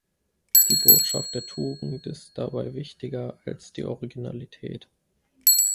Die Botschaft der Tugend ist dabei wichtiger als die Originalität.